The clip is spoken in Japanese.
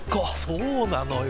そうなのよ。